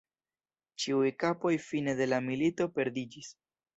Ĉiuj kapoj fine de la milito perdiĝis.